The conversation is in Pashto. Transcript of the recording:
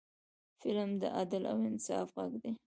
قلم د عدل او انصاف غږ دی